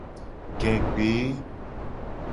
Gegbe.